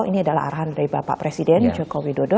ini adalah arahan dari bapak presiden joko widodo